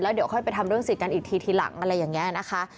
เดี๋ยวค่อยไปทำเรื่องสิทธิ์อีกทีทีหลังอะไรอย่างนี้นะคะ